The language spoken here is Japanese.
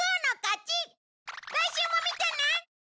来週も見てね！